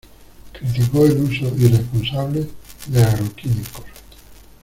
Criticó el uso irresponsable de agroquímicos.